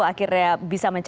akhirnya sudah mendapatkan restu